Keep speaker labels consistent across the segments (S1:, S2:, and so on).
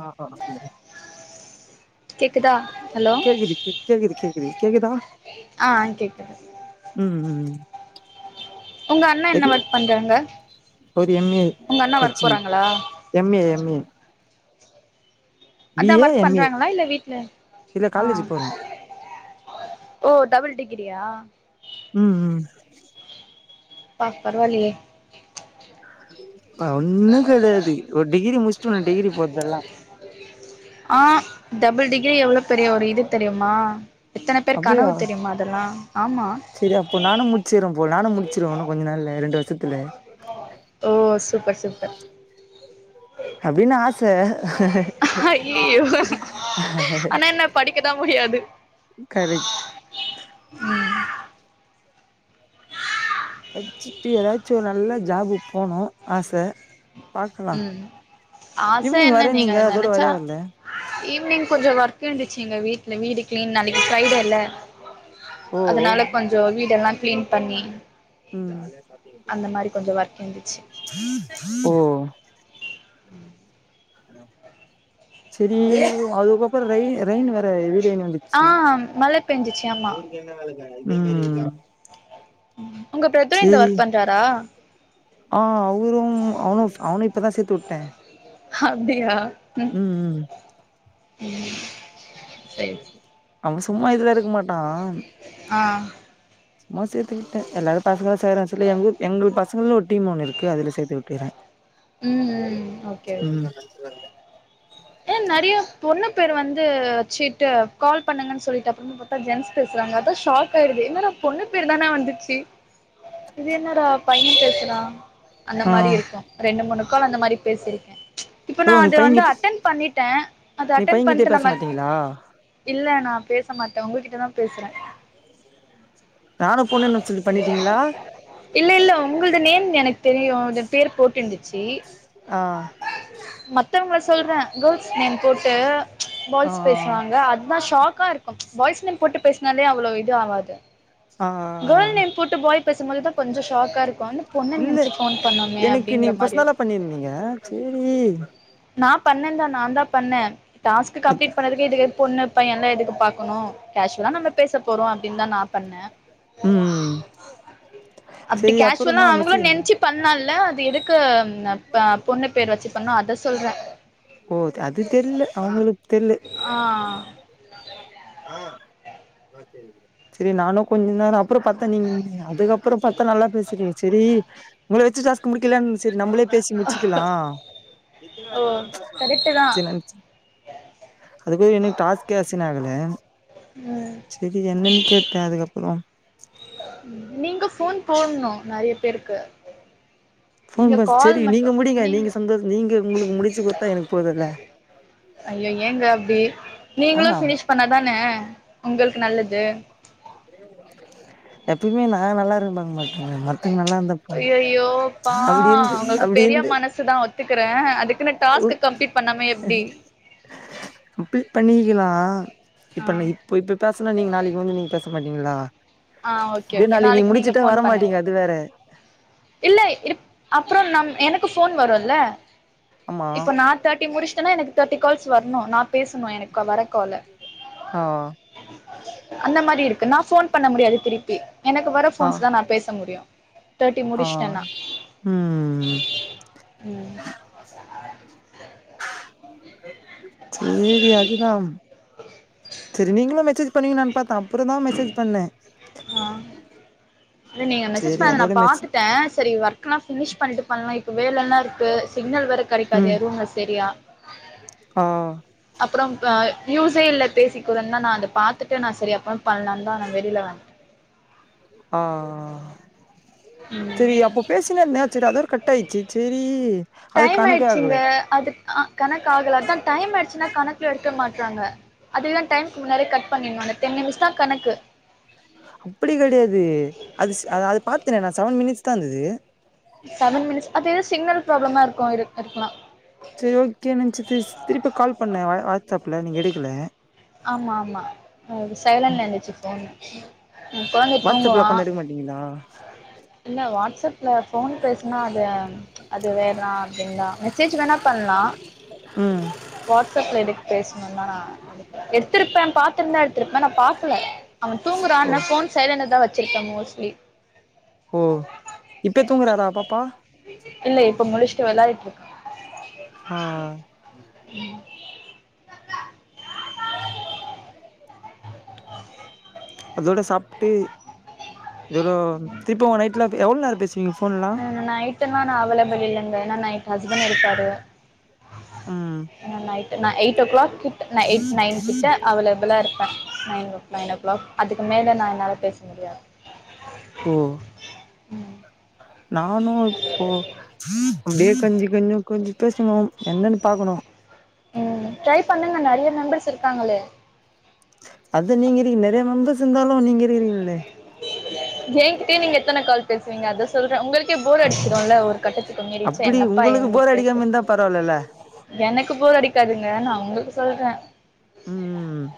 S1: ஆஹ்
S2: கேக்குதா ஹலோ
S1: கேக்குது கேக்குது கேக்குது கேக்குதா
S2: ஆஹ் கேக்குது
S1: ம் ம்
S2: உங்க அண்ணா என்ன
S1: எது
S2: ஒர்க் பண்றாங்க
S1: ஒரு எம் ஏ
S2: உங்க அண்ணா ஒர்க் போறாங்களா
S1: உம்
S2: அதான் ஒர்க்
S1: ஏ
S2: பண்றாங்களா இல்ல வீடல
S1: இல்ல
S2: ஆ
S1: காலேஜ் போறா
S2: ஓ டபிள் டிக் கிரியா
S1: உம் உம்
S2: அப்பா பரவாஇல்லயே
S1: உஹ ஒண்ணும் கிடையாது ஒரு டிகிரி முச்சட்டு ஒன்னு டிகிரி போதெல்லாம்
S2: ரி எவ்வளவு பெரிய ஒரு இது தெரியுமா எத்தனை பேர் கனவு தெரியுமா அதெல்லாம்
S1: சரி அப்போ நானும் முடிச்சுரோ போ நானும் முடிச்சிருவவே இன்னும் கொஞ்சநாலுல்ல ரெண்டு வரு ஷத்துல
S2: ஓ சூப்பர் சூப்பர்
S1: அப்டின்னு ஆச
S2: ஐய்யயோ ஆனா என்ன படிக்கதான் முடியாது
S1: கரெக்ட் படிச்சுட்டு ஏதாச்சும் ஒரு நல்ல ஜாபு போனோம் ஆசை
S2: ம் ஆச
S1: ஈவினிங்
S2: என்ன நீங்க
S1: வரேன்னீங்க அதோட
S2: நெனச்சா
S1: வரவே வரல
S2: ஈவினிங் கொஞ்சொ வர்க் இருந்துச்சுங்க வீட் ட்ல வீடு கிளீன் நாளைக்கு ஃப்ரைடே ல
S1: ஓ
S2: அதனால கொஞ்சோ வீடெல்லா க்ளீன் பண்ணி
S1: ம்
S2: அந்த மாரி கொஞ்சோ ஒர்க் இருந்துச்சு
S1: ஓ
S2: ம்
S1: சேரி அதுக்கப்பறோ ரய் ரைய்ன் வேற ர இது ரெய்ன்
S2: ஆ
S1: வந்துச்சு
S2: மழ பெஞ்சிச்சு ஆமா
S1: ம்
S2: உங்க பிரதர் இந்த
S1: சேரி
S2: ஒர்க் பண்றாரா
S1: ஆ அவ் இவரு அவனு இப்பதா சேத் த்துட்ட
S2: ஹப்டியா ம் ம்
S1: அவ சும்மா இதுல இருக்க மாட்டா
S2: ஆ
S1: சும்மா சேத்து விட்ட எல்லாரு பாசங்க சேய்றாங்க சொல்லி எங்கூர் எங்களுக் பசங் பசங்கள்ல ஒரு டீம் ஒன்னு இருக்கு அதுல சேத்து விட்டுக்ற
S2: ம் ம் ஓகே ஓகே ஏ நறைய பொண்ணு ப்பேரு வந்து வச்சிட்டு கால் பண்ணுங்கன் சொல்லிட்டு அப்புறமா பாத்தா ஜென்ஸ் பேசுறாங்க அதா ஷார் ஆய்ருது என்னடா பொண்ணு பேர் தான வந்துச்சு இது என்னடா பைய பேசுறா அந்த
S1: ஆ
S2: மாரி இருக்கு ரெண்டு மூணு கால் அந்த மாரி பேசிருக்கே இப்ப நா
S1: ஓ நீ
S2: அது வந்து
S1: பையன்கிட்
S2: அட்டன் பண்ணிட்ட அத
S1: நீ
S2: அட்டெண்ட்
S1: பையன்கிட்டயே
S2: பண்ட்டு
S1: பேச
S2: நம்ம
S1: மாட்டீங்களா
S2: இல்ல நா பேச மாட்ட உங்ககிட்ட தா பேசுற
S1: நானு பொண்ணுன்னு சொல்லி பண்ணிட்டீங்களா
S2: இல்ல இல்ல உங்குள்து நேம் எனக் தெரியு பேர் போட்டுந்து சி
S1: ஆ
S2: மத்தவங்க சொல்ற கேர்ள்ஸ் நேம் போட்டு
S1: ஆ
S2: பாய்ஸ் பேசுவாங்க அதுதா ஷாக்கா இருக்கும் பாய்ஸ் நேம் போட்டு பேஸ்னாலே அவ்ளோ இது ஆவாது
S1: ஆ
S2: கேள் நேம் போட்டு போய் பேசும்போதுதா கொஞ்சோ ஷாக்கா இருக்கு பொண்ணு
S1: இல்ல
S2: நெனச்சு ஃபோன் பண்ணோமே
S1: எனக்கு நீ
S2: அப்டிங்கிற மாரி இருக்கு
S1: ஃபர்ஸ்னாலா பண்ணிர்ந்தீங்க சேரி
S2: நா பண்ணேன் தா நாந்தா பண்ண டாஸ்க்கு கம்ப்ளீட் பண்ணதுக்கு இதுவே பொண்ணு பையன்லா எதுக்கு பாக்கணு கேஷுவலா நம்ம பேச போறோ அப்டின்தா நா பண்ண
S1: ம்
S2: அப்டி
S1: செரி அப்புறோ
S2: கேஷுவ்லா
S1: தா
S2: அவுங்களு
S1: மெசேஜ் வந்தது
S2: நென்ச்சி பண்ணா இல்ல அது எதுக்கு ன ப்ப பொண்ணு பேரு வச்சு பண்ணோ அத சொல்ற
S1: ஓ அது தெர்ல அவுங்களுக்
S2: ஆஹ்
S1: ஆஹ் செரி நானு கொஞ்ச நேர அப் ப்றோ பாத்த நீங் அதுக்கப்பறோ பாத்தா நல்லா பேஸ்றீங்க செரி உங்கள வெச்சு டாஸ்கு முடிக்கலென் செரி நம்ப்ளே பேசி முச்சிக்கலாம்
S2: ஓ கரெக்ட்டு தா
S1: [unintelligible] அதுக்குள்ளே இண்ணு டாஸ் ச்சனாகல
S2: ம்
S1: சேரி என்னன்னு கேட்டேன் அதுக்கப்பறோம்
S2: நீங்க ஃபோன் போட்ணு நறைய பேருக்கு
S1: ஃபோன்
S2: நீங்க
S1: ப
S2: கால்
S1: செரி நீங்க
S2: மட்டு
S1: முடிங்க
S2: நீங்க
S1: சந்தோஷ நீங்க உங்களுக்கு முடிச்சு குடுத்தா எனக்கு போதுல்ல
S2: ஐயோ ஏங்க அப்டி
S1: ஆ
S2: நீங்ளு ஃபினிஷ் பண்ணாதான உங்களுக்கு நல்லது
S1: எப்பயுமே நா நல்லா இரு பாக் மாட்டங்க மத்தங்க நல்லாருந்
S2: ஐயோயோ யோபா உங்களுக்கு
S1: அப்டி
S2: பெரிய
S1: இருந்து
S2: மனசு தா ஒத்துக்குற அதுக்குன்னு டாஸ்கு கம்ப்ளீட் பண்ணாம எப்டி
S1: பண்ணிக்கிலா
S2: ஆ
S1: இப்பன இப்ப இப்போ பேசனா நீங்க நாளேக்கு வந்து நீங்க பேச மாட்டீங்களா
S2: ஆ ஓகே
S1: இதே
S2: ஓகே
S1: நாளேக்கி நீ
S2: நாளைக்கு நீங்க
S1: முடிச்சிட்டா
S2: ஃபோன் பண்ணுங்க
S1: வரமாட்டீங்க அது வேற
S2: இல்ல இருப் அப்றோ நம் எனக்கு ஃபோன் வருல்ல
S1: ஆமா
S2: இப்ப நா தேர்ட்டி முடிஷ்டனா எனக் தேட்டி கால்ஸ் வர்ணு நா பேசணு எனக்கு வர கால
S1: ஆ
S2: அந்த மாரி இருக் நா ஃபோன் பண்ண முடியாது திருப்பி எனக்கு வர ஃபோன்ஸ் தா நா பேச முடியு தேர்ட்டி
S1: ஆஹ்
S2: முடிச்ட்டேன்னா
S1: ம்
S2: ம்
S1: சேரி அதுதா செரி நீங்களா மெசேஜ் பண்ணிவீ நா பாத்த அப்புறதா மெசேஜ் பண்ணே
S2: ஆஹ் இல்ல நீங்க மெசேஜ்
S1: சேரி
S2: பண்ணது நா
S1: அதோட மெசே
S2: பாத்துட்டே செரி வெர்க்ல்லா ஃபினிஷ் பண்ணிட்டு பண்லா வேல ல்லா இருக்கு சிக்னல் வே கெடைகாது
S1: ம்
S2: ஏ ரூம்ல செரியா
S1: ஆ
S2: அப்றம் அஹ் யூசே இல்ல பேசி குற தா நா அத பாத்துட்டு நா செரி அப்றம் பண்லான் தா நா வெளில வண்ட்
S1: ஆஹ் செரி அப்போ பேசின இருந்த செரி அதோட கட் ஆயிட்ச்சு சேரி அது கணக்கே ஆகல
S2: ஆ கணக் ஆகல அதா டைம் ஆய்டுச்சுனா கணக்கல எடுக்கமாட் டாங்க அதேதா டைம்க்கு முன்னாடியே கட் பண்ணினு அந்த டென் நிமிட்ஸ் தா கணக்கு
S1: அப்டி கெடையாது அது அது பாத்தனே நா செவன் மினிட்ஸ் தா இந்துது
S2: செவன் மினிட்ஸ் அதே சிக்னல் ப்ராப்ளமா இருக்கு இருக்கலா
S1: செரி ஓகே நன்ச்ட்ஸ் திருப்பி கால் பண்ணே வா வாட்ஸ் அப்ல நீங்க எடுக்கல
S2: ஆமா ஆமா சைலன்ல இந்துச்சு ஃபோன்
S1: வாட்ஸ் அப்ல பண்ணா எடுக் மாட்டீங்களா
S2: இல்ல வாட்ஸ் அப்ல ஃபோன் பேசுனா அது அது வேனா அப்டின் தா மெசேஜ் வேணா பண்லா
S1: ம்
S2: வாட்ஸ் அப்ல எதுக் பேசுணு தா நா எடுக்ல எடுத்திருப்பே பாத்துருந்தா எடுத்திருப்பேன் நா பக்கல அவ
S1: ஓ
S2: தூங்குறான்னு ஃபோன் சைலன்ல தா வெ வெச்சுப மோஸ்ட்லி
S1: ஓ இப்ப தூங்குறாரா பாப்பா
S2: இல்ல இப்ப முளுச்ட்டு வெளாடிட்டு இருக்கா
S1: ஆஹ் அதோட சாப்ட்டு தோடோ திருப்ப நைட்ல எவளோ நேரோ பேசுவீங்க ஃபோன்லா
S2: ஆஹ் நைட் ட்டுனா நா [unintelligible] இல்லங்க ஏன்னா நைட் ஹஸ்பண்ட் இருப்பாரு
S1: ம்
S2: நா நைட்டு நா எயிட்டோ க்ளாக் கிட் ந எயிட் நைன் கிட்ட அவலப்ளா இரு நைன் நைன் ஓ கிளாக் அதுக்கு மேலே நான்ளா பேச முடியாது
S1: ஓ
S2: ம்
S1: நானு இப்போ அப்டியே கொஞ்சி கொஞ்சி கொஞ்சி பேசணு என்னன்னு பாக்கணு
S2: ம் ட்ரை பண்ணுங்க நெறைய மெம்பர்ஸ் இருக்காங்களே
S1: அது நீங்க இருக்கீங்க நெறைய மம்பர்ஸ் இருந்தாலு நீங்க இருக்கிறீங்கல்லே
S2: என்கிட்டே நீங்க எத்தனை கால் பேசுவீங்க அத சொல்றே உங்களுக்கு போர் அடிச்சிறோம்ல ஒரு கட்டத்துக்கு மேலே ச
S1: அப்டி
S2: என்னப்பா
S1: உங்களுக்கு போர்
S2: வந்துட்டு
S1: அடிக்காம இருந்தா பரவால்லல்ல
S2: எனக்கு போர் அடிக்க க்காதுங்க நா உங்களுக்கு சொல்றே
S1: உம்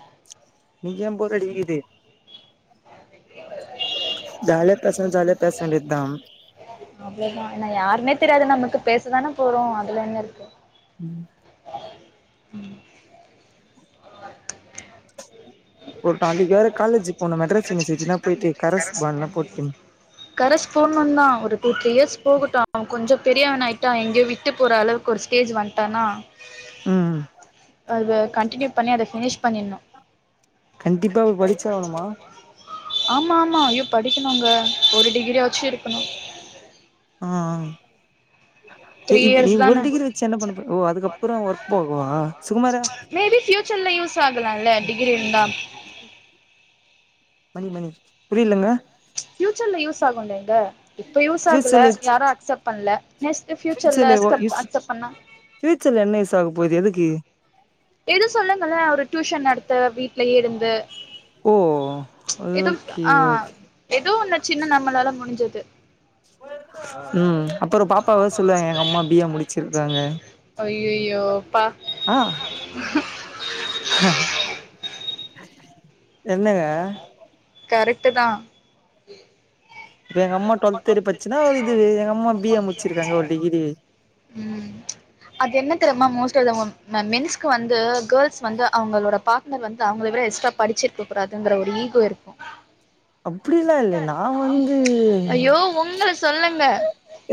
S1: இங்க ஏ போர் அடிக்குது ஜால பேசனா ஜாலியா பேச வேண்டியதா
S2: அவ்ளோதா என்ன யாருமே தெரியாது நமக்கு பேசதானே போறோம் அதுல என்ன இருக்கு
S1: உம் ஒரு நாளைக்கு வேற காலேஜ் போன மெட்ராஸ் யூனிவர்சிட்டி தா போயிட்டு கரஸ் பால்லா போட்டு
S2: கரஸ் போன்னுந்தா ஒரு டூ த்ரீ இயர்ஸ் போகட்டு அவ கொஞ்ச பெ பெரியவனா ஆயிட்டா எங்கேயு விட்டு போற அளவுக்கு ஒரு ஸ்டேஜ் வண்ட்டானா
S1: ம்
S2: அத கன்டினியூ பண்ணி அத பினிஷ் பன்னின்னு
S1: கண்டிப்பா படிச்ச ஆணுமா
S2: ஆமா ஆமா ஐயோ படிக்கணும்ங்க ஒரு டிகிரியாச்சு இருக்கணு
S1: ஆஹ் ஹ் இ
S2: த்ரீ
S1: இப்ப நீ
S2: இயர்ஸ்
S1: ஒரு
S2: தானே
S1: டிகிரி வச்சு என்ன பண்ணப்ப ஓ அதுக்கப்றோ ஒர்க் போகவா சுகுமாரு
S2: மேபி ஃபியூச்சர்ல யூஸ் ஆகலாம்ல டிகிரி இருந்தா
S1: மணி மணி புரியலங்க
S2: பியயூச்சர்ல யூஸ் ஆகும்லங்க இப்ப யூஸ் ஆகல
S1: ஃபியூச்சர்ல வச்சு
S2: யாரும் அக்செப்ட் பண்ல நெஸ்ட் பஃபியூச்சர்ல
S1: ஃபியூச்சர்ல ஒ
S2: அஸ்கப் அஸ்ஸப்ட் பண்ணா
S1: போக போது எதுக்கு
S2: எது சொல்லுங்களே ஒரு டியூஷன் நடத்த வீட்லயே இருந்து
S1: ஓ
S2: எதுவும்
S1: ஓகே
S2: ஆஹ்
S1: ஓகே
S2: எதுவும் இந்த சின்ன நம்மளாலா முடிஞ்சது
S1: உம் அப்பற பாப்பாவாவ சொல்லுவாங்க எங்க அம்மா பி ஏ முடிச்சிருக்காங்க
S2: ஐயையோப்பா
S1: ஆஹ் ஹ என்னங்க
S2: கரெக்ட் தான்
S1: இப்ப எங்க அம்மா டுவெல்த் வரபடுச்சிருந்தா ஒரு இது எங்க அம்மா பி ஏ முடிச்சிருக்காங்க ஒரு டிகிரி
S2: ம் அது என்ன தெரியுமா மோஸ்ட் மென்ஸ்க்கு வந்து கேர்ள்ஸ் வந்து அவங்களோட பார்ட்னர் வந்து அவங்கள விட எக்ஸ்ட்ரா படிச்சிருக்க கூடாதுங்கிற ஒரு ஈகோ இருக்கு
S1: அப்படிலா இல்ல நான் வந்து
S2: ஐயோ உங்கள சொல்லங்க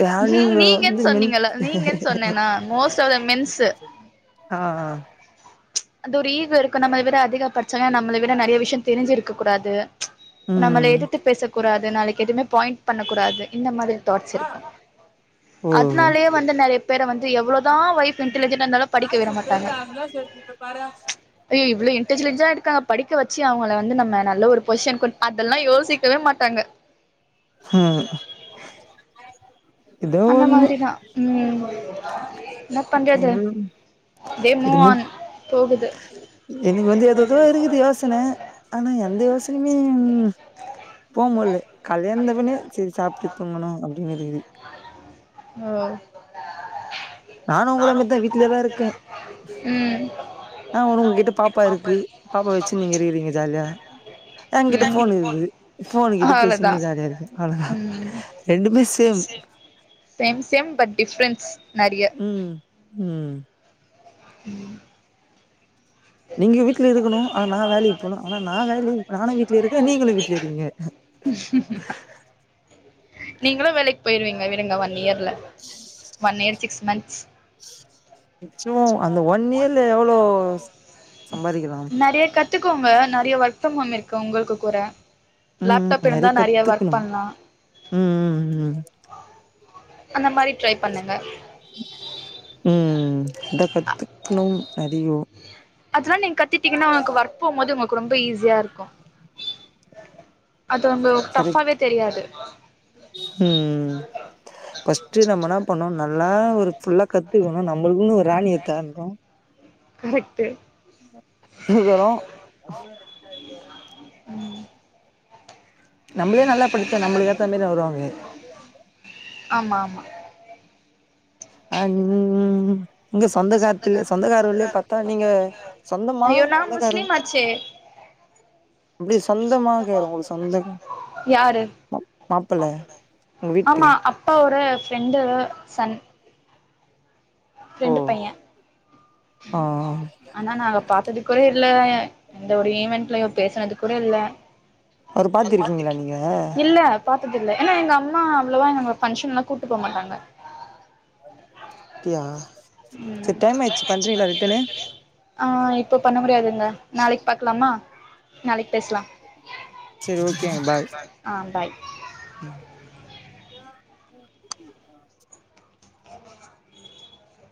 S1: யா
S2: நீ
S1: நீங்க
S2: நீங்கன்னு
S1: வந்து மென்
S2: சொன்னீங்கள நீங்கன்னு சொன்னேன்னா மோஸ்ட் ஆஃப் த மென்ஸு
S1: ஆ
S2: அந்த ஒரு ஈகோ இருக்கு நம்மள விட அதிக படிச்சங்க நம்மள விட நறைய விஷய தெரிஞ்சுருக்க கூடாது
S1: ஆ
S2: நம்மள
S1: ம்
S2: எதிர்த்து பேச கூடாது நாளைக்கு எதுமே பாயிண்ட் பண்ணக்கூடாது இந்த மாரி தாட்ஸ் இருக்கு
S1: ஓ
S2: அதனாலயே வந்து நறைய பேர வந்து இது எவ்வளோ தான் வைப் இன்டலிஜென்ட் இருந்தாலு படிக்க விட மாட்டாங்க அய்யோ இவ்வளவு இன் இன்டலிஜன்ட்டா இருக்காங்க படிக்க வச்சு அவங்கள வந்து நம்ம நல்ல ஒரு பொசிஷன் அதெல்லா யோசிக்கவே மாட்டாங்க
S1: ம் ஏதோ
S2: அந்த
S1: ஒண்ணு
S2: மாதிரிதா உம் தே மூவ் ஆன் போகுது
S1: எனக்கு வந்து எதோதோ இருக்குது யோசன ஆனா எந்த யோசனையுமே ம் போ முடில கால எழுந்தவுனே சேரி சாப்பிட்டு தூங்கணு [unintelligible]
S2: ஓ
S1: நானு உங்களா மாரித வீட்டு்லயேதா இருக்க
S2: ம்
S1: என்ன ஒன்னு உங்க கிட்ட பாப்பா இருக்கு பாப்பா வச்சு நீங்க இருக்கிறீங்க ஜாலியா என் கிட்ட
S2: ம்
S1: போன் இருக்குது போனு கிட்ட
S2: அவ்ளோதா
S1: பேசுனு ஜாலியா இருக்க அவ்ளோதா
S2: ம்
S1: ரெண்டுமே same
S2: same same but difference நறைய
S1: உம்
S2: உம்
S1: நீங்க வீட்டுல இருக்கணு ஆனா நா வேலைக்கு போணு ஆனா நா வேல நானு வீட்ல இருக்க நீங்களு வீட்ல இருக்கீங்க
S2: நீங்களு வேலைக்கு போயிருவீங் விடுங்க ஒன் இயர்ல ஒன் இயர் சிக்ஸ் மந்த்ஸ்
S1: நிச்சம அந்த ஒன் இயர்ல எவ்ளோ சம்பாதிக்கலா
S2: நெறைய கத்துக்கோங்க நறைய வொர்க் ஃப்ரம் ஹோம் இருக்கு உங்களுக்கு கூட
S1: ம்
S2: லேப்டாப் இருந்தா நறைய ஒர்க் பண்ணலா
S1: உம் உம் உம்
S2: அந்த மாரி ட்ரை பண்ணுங்க
S1: ம் ம் ம் த கத்துக்ணு அதியோ
S2: அதுலா நீங் கத் தீத்தீகன்னா ஒனக் ஒர்க் போம் போது ஒங்கல்க் ரொம்ப ஈஸியா இருக்கு அது ஒங்க
S1: கரெக்ட்
S2: டஃபாவே தெரியாது
S1: ம் பஸ்ட்டு நம்பன்னா பண்ணுன் நல்லா ஒரு ஃபுல்லா கத்துக்கணு நம்மளுக்குன்னு ஒரு ராணிய தேடனு
S2: கரெக்ட்டு
S1: நுகுறோ
S2: ம்
S1: நம்மளே நல்லா படிச்சா நம்மளுக் ஏத்த மாரிதா வருவாங்களே
S2: ஆமா ஆமா
S1: அன் நீங்க சொந்தமா
S2: அய்யோ நா
S1: சொந்தக்காரு
S2: முஸ்லிம் ஆச்சே
S1: அப்டி சொந்தமாக்காரு உங்களுக்கு சொந்த
S2: யாரு
S1: மா மாப்பிள்ள உங்க
S2: ஆமா
S1: வீட்டுக்கு
S2: அப்பாவோர ஃப்ரெண்டு சன்
S1: ஓ
S2: ஃப்ரெண்டு பைய
S1: ஆ
S2: ஆனா நாங்க பாத்தது கூட இல்ல எந்த ஒரு ஈவென்ட்லயு பேசுனது கூட இல்ல
S1: அவர பாத்திருக்கீங்களா நீங்க
S2: இல்ல பாத்தது இல்ல ஏன்னா எங்க அம்மா அவ்ளவா எங்கள பங்க்ஷன்ல்லா கூட்டு போமாட்டாங்க
S1: கியா செரி டைம் ஆயிடுச்சு பண்றீகளா ரிட்டனு
S2: ஆ இப்ப பண்ண முடியாதுங்க நாளைக்கு பாக்கலாமா நாளைக்கு பேசலா
S1: செரி ஓகேங்க பாய்
S2: ஆ பாய்
S1: ம் [inaudible] பூன குட்டி ஆ